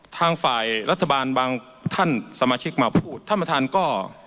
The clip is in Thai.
ทางฝ่ายรัฐบาลบางท่านสมาชิกมาพูดท่านประธานก็